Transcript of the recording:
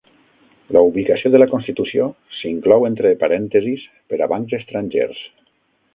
La ubicació de la constitució s'inclou entre parèntesis per a bancs estrangers.